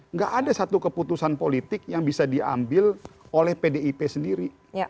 nggak ada satu keputusan politik yang bisa diambil oleh pdip sendiri